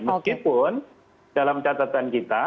meskipun dalam catatan kita